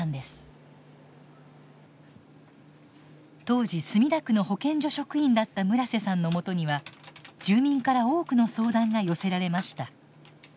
当時墨田区の保健所職員だった村瀬さんのもとには住民から多くの相談が寄せられました。